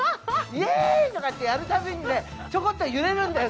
イェーイとかってやるたびにねちょこっと揺れるんだよ